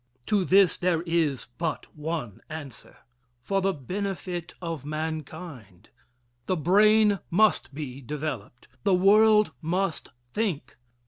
To this there is but one answer: for the benefit of mankind. The brain must be developed. The world must think.